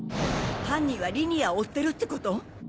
犯人はリニアを追ってるってこと？